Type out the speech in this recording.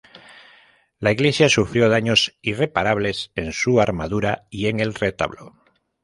La iglesia sufrió daños irreparables en su armadura y en el retablo.